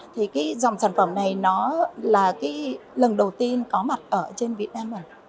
thì cái dòng sản phẩm này nó là cái lần đầu tiên có mặt ở trên việt nam rồi